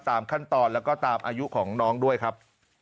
ตามขั้นตอนแล้วก็ตามอายุของน้องด้วยครับ